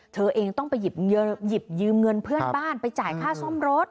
เธอเองต้องไปหยิบยืมเงินเพื่อนบ้านไปจ่ายค่าซ่อมรถ